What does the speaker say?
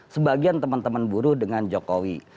sebagian teman teman buruh dengan jokowi